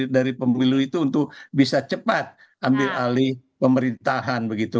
dari pemilu itu untuk bisa cepat ambil alih pemerintahan begitu